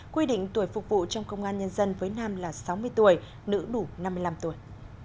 quy định tuổi phục vụ trong công an nhân dân với nam là sáu mươi tuổi nữ đủ năm mươi năm tuổi